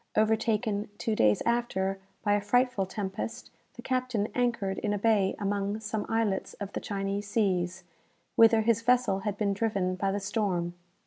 Overtaken, two days after, by a frightful tempest, the captain anchored in a bay among some islets of the Chinese seas, whither his vessel had been driven by the storm.